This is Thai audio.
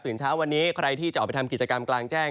เช้าวันนี้ใครที่จะออกไปทำกิจกรรมกลางแจ้ง